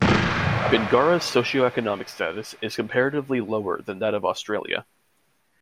Bingara's socioeconomic status is comparatively lower than that of Australia.